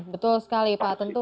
betul sekali pak tentu